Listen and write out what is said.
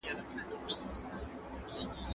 د ادبیاتو ټولنپوهنه یو جلا بحث دی.